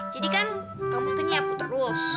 jadi kan kamu harusnya nyapu terus